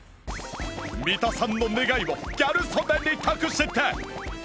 三田さんの願いをギャル曽根に託して